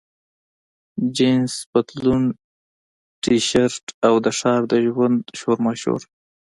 جینس پتلون، ټي شرټ، او د ښار د ژوند شورماشور.